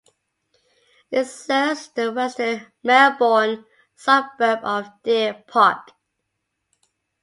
It serves the western Melbourne suburb of Deer Park.